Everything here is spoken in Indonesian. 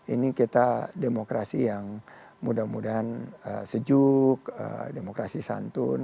ini kita demokrasi yang mudah mudahan sejuk demokrasi santun